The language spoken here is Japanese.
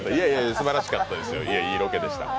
すばらしかったですよ、いいロケでした。